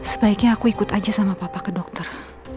sebaiknya aku ikut aja sama papa ke dokter